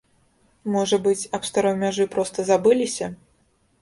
Можа быць, аб старой мяжы проста забыліся?